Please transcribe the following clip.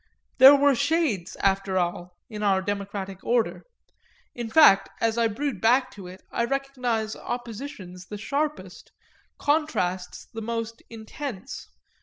There were shades, after all, in our democratic order; in fact as I brood back to it I recognise oppositions the sharpest, contrasts the most intense.